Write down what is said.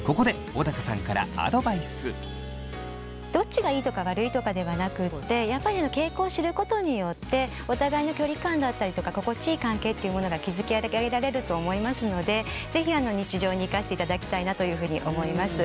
ここでどっちがいいとか悪いとかではなくってやっぱり傾向を知ることによってお互いの距離感だったりとか心地いい関係っていうものが築き上げられると思いますので是非日常に生かしていただきたいなというふうに思います。